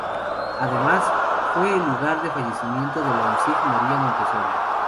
Además, fue el lugar de fallecimiento de la insigne Maria Montessori.